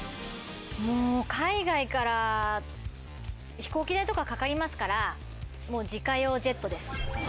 もう海外から飛行機代とかかかりますから自家用ジェットです。